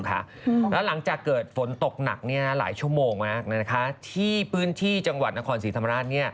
แล้วหลังจากเกิดฝนตกหนักหลายชั่วโมงมากที่พื้นที่จังหวัดนครศรีธรรมราช